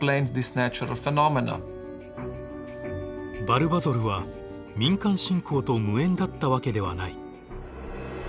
ヴァルヴァゾルは民間信仰と無縁だったわけではない。